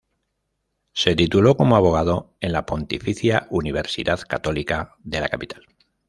Se tituló como abogado en la Pontificia Universidad Católica de la capital.